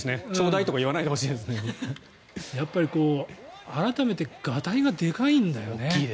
やっぱり改めてがたいがでかいんだよね。